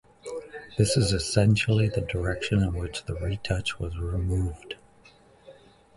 This is essentially the direction in which the retouch was removed.